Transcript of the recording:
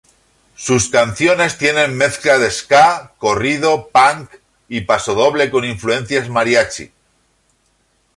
Sus canciones tienen mezcla de ska, corrido, punk y pasodoble con influencias mariachi.